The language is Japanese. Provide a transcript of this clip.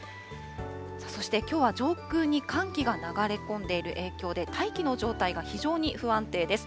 そして、きょうは上空に寒気が流れ込んでいる影響で、大気の状態が非常に不安定です。